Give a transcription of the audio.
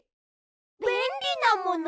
べんりなもの？